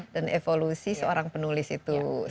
dan evolusi seorang penulis itu